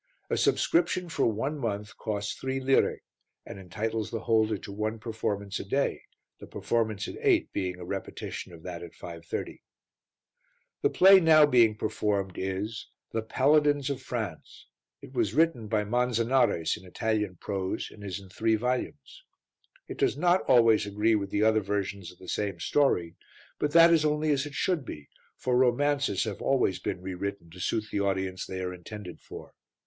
A subscription for one month costs three lire and entitles the holder to one performance a day, the performance at 8 being a repetition of that at 5.30. The play now being performed is The Paladins of France; it was written by Manzanares in Italian prose and is in three volumes. It does not always agree with the other versions of the same story; but that is only as it should be, for romances have always been re written to suit the audience they are intended for.